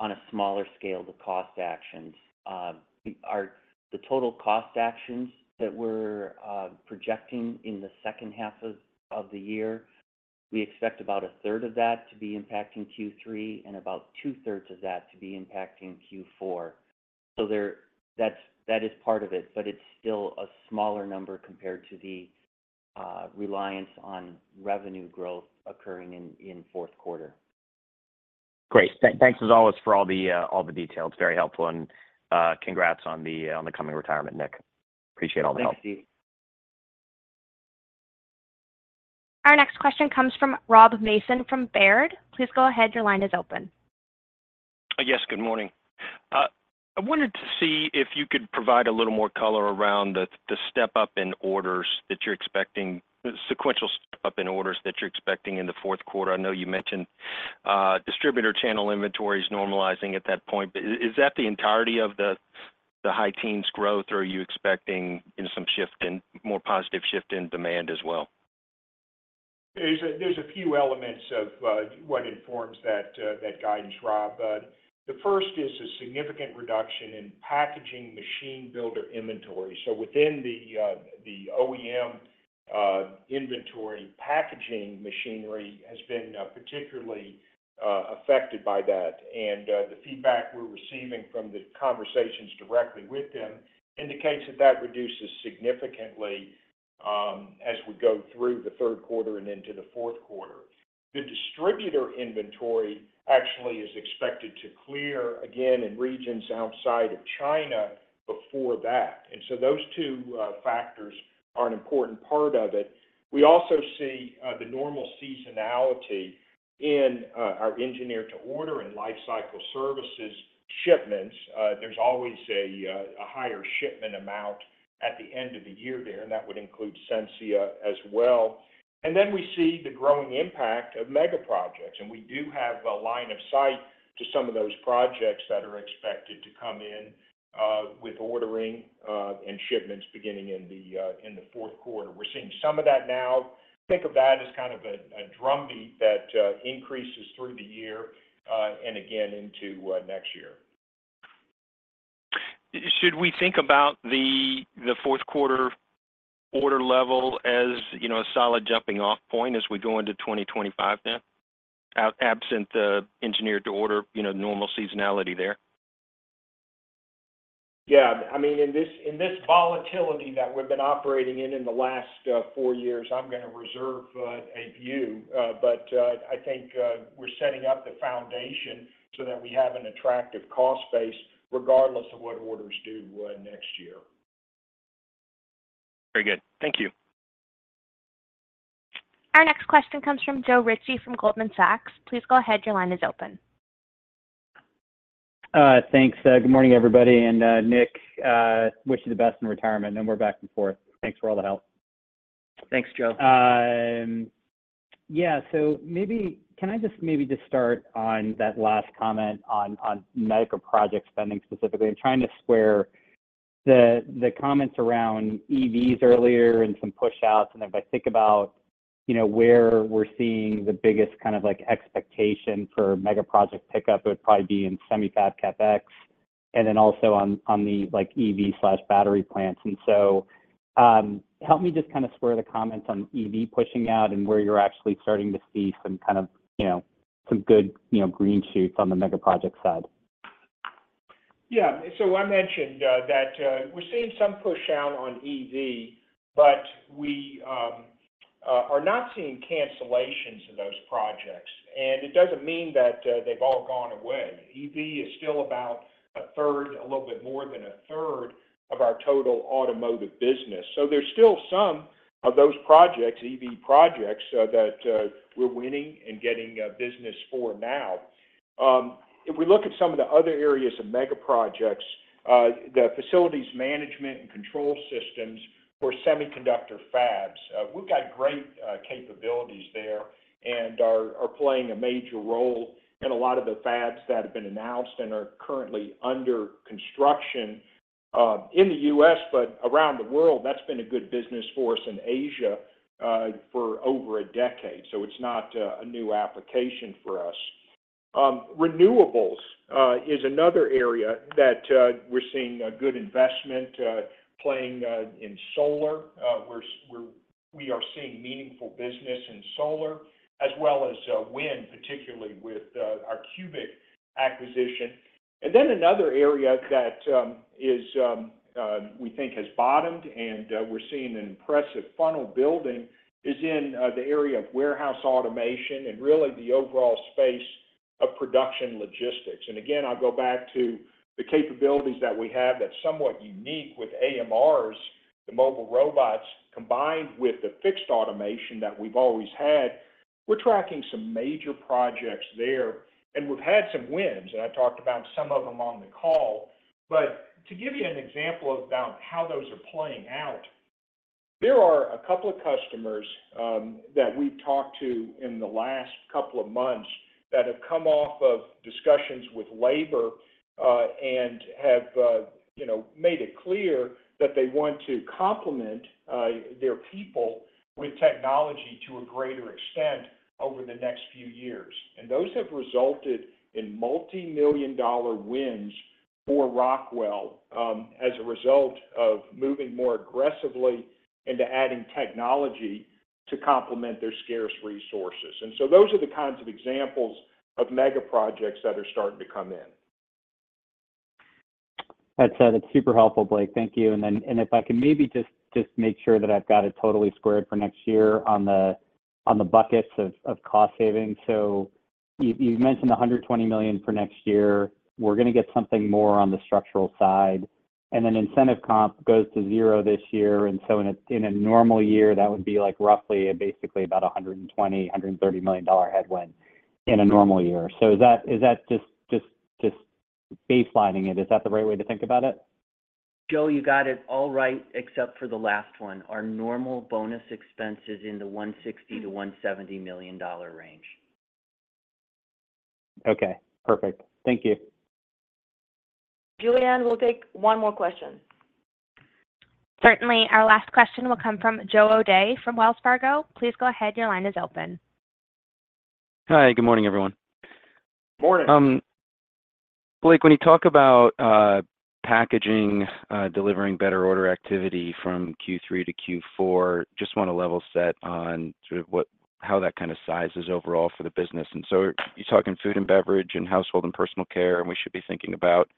on a smaller scale, the cost actions. The total cost actions that we're projecting in the second half of the year, we expect about a third of that to be impacting Q3 and about two-thirds of that to be impacting Q4. So that is part of it, but it's still a smaller number compared to the reliance on revenue growth occurring in fourth quarter. Great. Thanks, as always, for all the details. Very helpful. And congrats on the coming retirement, Nick. Appreciate all the help. Thanks, Steve. Our next question comes from Rob Mason from Baird. Please go ahead. Your line is open. Yes. Good morning. I wanted to see if you could provide a little more color around the step-up in orders that you're expecting, the sequential step-up in orders that you're expecting in the fourth quarter. I know you mentioned distributor channel inventories normalizing at that point. But is that the entirety of the high-teens' growth, or are you expecting some shift and more positive shift in demand as well? There's a few elements of what informs that guidance, Rob. The first is a significant reduction in packaging machine builder inventory. So within the OEM inventory, packaging machinery has been particularly affected by that. The feedback we're receiving from the conversations directly with them indicates that that reduces significantly as we go through the third quarter and into the fourth quarter. The distributor inventory actually is expected to clear, again, in regions outside of China before that. Those two factors are an important part of it. We also see the normal seasonality in our engineer-to-order and lifecycle services shipments. There's always a higher shipment amount at the end of the year there, and that would include Sensia as well. We see the growing impact of mega projects. We do have a line of sight to some of those projects that are expected to come in with ordering and shipments beginning in the fourth quarter. We're seeing some of that now. Think of that as kind of a drumbeat that increases through the year and, again, into next year. Should we think about the fourth quarter order level as a solid jumping-off point as we go into 2025 then, absent the engineer-to-order normal seasonality there? Yeah. I mean, in this volatility that we've been operating in in the last four years, I'm going to reserve a few. But I think we're setting up the foundation so that we have an attractive cost base regardless of what orders do next year. Very good. Thank you. Our next question comes from Joe Ritchie from Goldman Sachs. Please go ahead. Your line is open. Thanks. Good morning, everybody. And Nick, wish you the best in retirement. No more back and forth. Thanks for all the help. Thanks, Joe. Yeah. So can I just maybe just start on that last comment on mega project spending specifically? I'm trying to square the comments around EVs earlier and some push-outs. And if I think about where we're seeing the biggest kind of expectation for mega project pickup, it would probably be in semi-fab, CapEx, and then also on the EV/battery plants. And so help me just kind of square the comments on EV pushing out and where you're actually starting to see some kind of some good green shoots on the mega project side? Yeah. So I mentioned that we're seeing some push-down on EV, but we are not seeing cancellations of those projects. And it doesn't mean that they've all gone away. EV is still about a third, a little bit more than a third of our total automotive business. So there's still some of those projects, EV projects, that we're winning and getting business for now. If we look at some of the other areas of mega projects, the facilities management and control systems for semiconductor fabs, we've got great capabilities there and are playing a major role in a lot of the fabs that have been announced and are currently under construction in the U.S. But around the world, that's been a good business for us in Asia for over a decade. So it's not a new application for us. Renewables is another area that we're seeing good investment playing in solar. We are seeing meaningful business in solar as well as wind, particularly with our Cubic acquisition. And then another area that we think has bottomed and we're seeing an impressive funnel building is in the area of warehouse automation and really the overall space of production logistics. And again, I'll go back to the capabilities that we have that's somewhat unique with AMRs, the mobile robots, combined with the fixed automation that we've always had. We're tracking some major projects there, and we've had some wins. And I talked about some of them on the call. To give you an example about how those are playing out, there are a couple of customers that we've talked to in the last couple of months that have come off of discussions with labor and have made it clear that they want to complement their people with technology to a greater extent over the next few years. Those have resulted in multi-million-dollar wins for Rockwell as a result of moving more aggressively into adding technology to complement their scarce resources. So those are the kinds of examples of mega projects that are starting to come in. That's super helpful, Blake. Thank you. And if I can maybe just make sure that I've got it totally squared for next year on the buckets of cost savings. So you mentioned $120 million for next year. We're going to get something more on the structural side. And then incentive comp goes to zero this year. And so in a normal year, that would be roughly basically about a $120-$130 million headwind in a normal year. So is that just baselining it? Is that the right way to think about it? Joe, you got it all right except for the last one. Our normal bonus expenses in the $160 million-$170 million range. Okay. Perfect. Thank you. Julianne, we'll take one more question. Certainly. Our last question will come from Joe O'Dea from Wells Fargo. Please go ahead. Your line is open. Hi. Good morning, everyone. Morning. Blake, when you talk about packaging, delivering better order activity from Q3 to Q4, just want to level set on sort of how that kind of sizes overall for the business. And so you're talking food and beverage and household and personal care, and we should be thinking about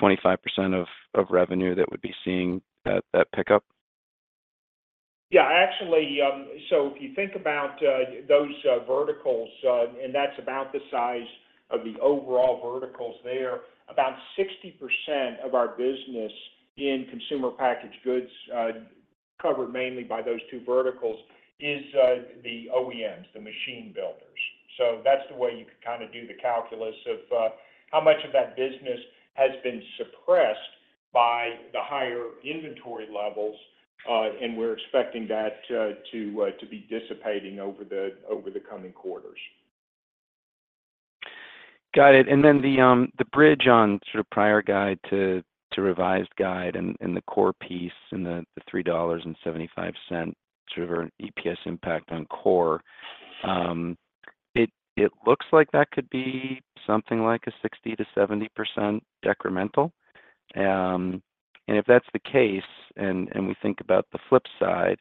25% of revenue that would be seeing that pickup? Yeah. So if you think about those verticals, and that's about the size of the overall verticals there, about 60% of our business in consumer packaged goods covered mainly by those two verticals is the OEMs, the machine builders. So that's the way you could kind of do the calculus of how much of that business has been suppressed by the higher inventory levels. And we're expecting that to be dissipating over the coming quarters. Got it. And then the bridge on sort of prior guide to revised guide and the core piece and the $3.75 sort of EPS impact on core, it looks like that could be something like a 60%-70% decremental. And if that's the case, and we think about the flip side,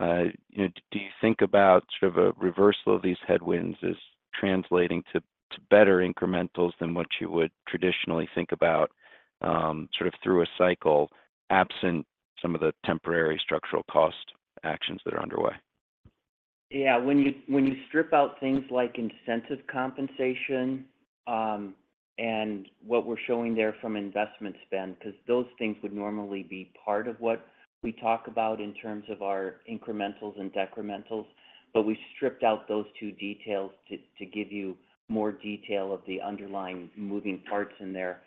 do you think about sort of a reversal of these headwinds as translating to better incrementals than what you would traditionally think about sort of through a cycle absent some of the temporary structural cost actions that are underway? Yeah. When you strip out things like incentive compensation and what we're showing there from investment spend because those things would normally be part of what we talk about in terms of our incrementals and decrementals. But we stripped out those two details to give you more detail of the underlying moving parts in there.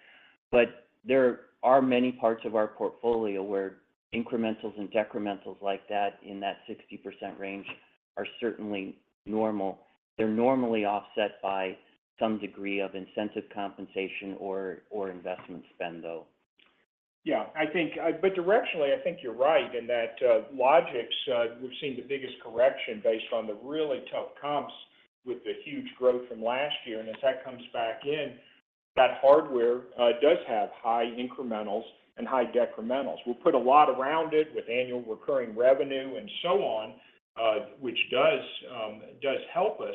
But there are many parts of our portfolio where incrementals and decrementals like that in that 60% range are certainly normal. They're normally offset by some degree of incentive compensation or investment spend, though. Yeah. But directionally, I think you're right in that Logix. We've seen the biggest correction based on the really tough comps with the huge growth from last year. And as that comes back in, that hardware does have high incrementals and high decrementals. We'll put a lot around it with annual recurring revenue and so on, which does help us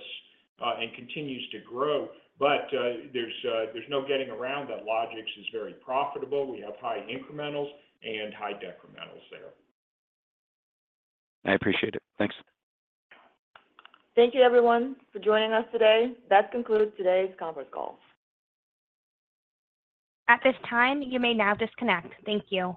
and continues to grow. But there's no getting around that Logix is very profitable. We have high incrementals and high decrementals there. I appreciate it. Thanks. Thank you, everyone, for joining us today. That concludes today's conference call. At this time, you may now disconnect. Thank you.